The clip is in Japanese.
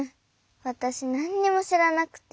わたしなんにもしらなくて。